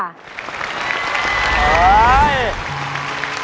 โอ๊ย